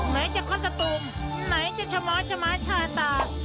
ไหนจะคลอสตูมไหนจะฉม้อยชม้ายชายตา